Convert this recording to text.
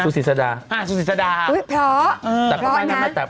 ทุสิสดาครับเพราะนะฮะ